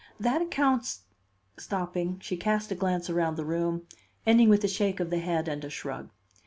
That accounts " Stopping, she cast a glance around the room, ending with a shake of the head and a shrug.